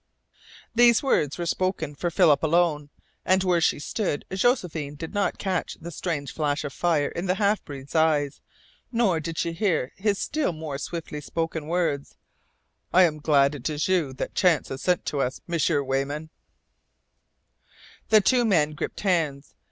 The words were spoken for Philip alone, and where she stood Josephine did not catch the strange flash of fire in the half breed's eyes, nor did she hear his still more swiftly spoken words: "I am glad it is YOU that chance has sent to us, M'sieur Weyman!" The two men gripped hands.